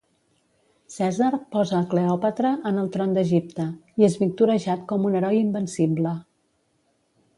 Cèsar posa a Cleòpatra en el tron d'Egipte, i és victorejat com un heroi invencible.